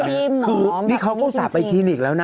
ต้องเลือกนี่เขาก็สาปไปคินิกแล้วนะ